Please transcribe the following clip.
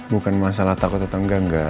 bukan masalah takut atau enggak enggak